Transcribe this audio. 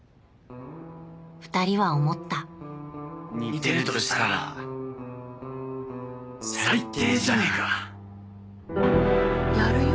２人は思った似てるとしたら最低じゃん最低じゃねえかやるよ